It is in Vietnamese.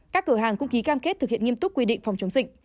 các cửa hàng cũng ký cam kết thực hiện nghiêm túc quy định phòng chống dịch